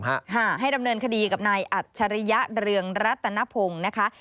ฮะให้ดำเนินคดีกับนายอัจฉริยะเรืองรัตนพงศ์นะคะ